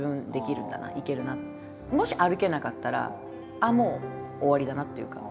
もし歩けなかったらもう終わりだなっていうか。